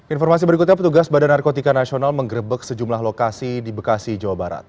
informasi berikutnya petugas badan narkotika nasional menggerebek sejumlah lokasi di bekasi jawa barat